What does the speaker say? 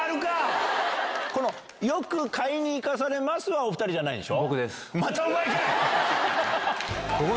「よく買いに行かされます」はお２人じゃないでしょ？